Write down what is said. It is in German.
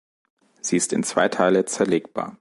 Sie ist in zwei Teile zerlegbar.